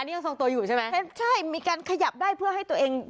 นี่ยังทรงตัวอยู่ใช่ไหมใช่มีการขยับได้เพื่อให้ตัวเอง